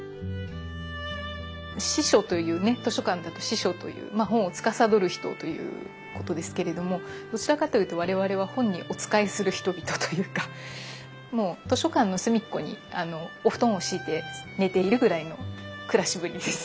「司書」というね図書館だと司書という本をつかさどる人ということですけれどもどちらかというと我々は図書館の隅っこにお布団を敷いて寝ているぐらいの暮らしぶりです。